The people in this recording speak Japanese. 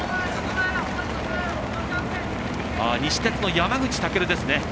西鉄、山口武ですね。